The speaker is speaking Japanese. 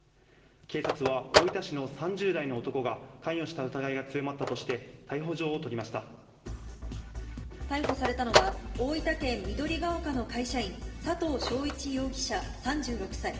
警察は大分市の３０代の男が関与した疑いが強まったとして、逮捕されたのは、大分県緑が丘の会社員、佐藤翔一容疑者３６歳。